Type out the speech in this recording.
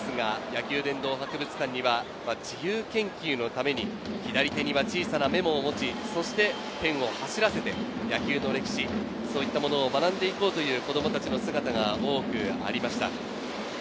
野球殿堂博物館には、自由研究のために、左手には小さなメモを持ち、そしてペンを走らせて野球の歴史、そういったものを学んで行こうという子供たちの姿が多くありました。